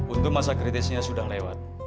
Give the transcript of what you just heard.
untuk masa kritisnya sudah lewat